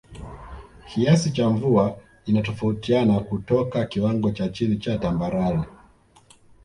Kiasi cha mvua inatofautiana kutoka kiwango cha chini cha Tambarare